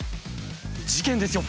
事件ですよ。